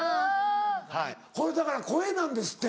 これだから声なんですって。